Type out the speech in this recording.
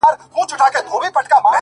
هر څه منم پر شخصيت باندي تېرى نه منم،